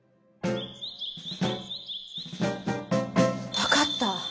分かった！